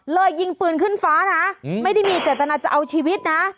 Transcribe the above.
ยิงปืนขึ้นฟ้านะไม่ได้มีเจตนาจะเอาชีวิตนะ